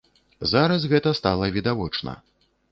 Зараз гэта стала відавочна.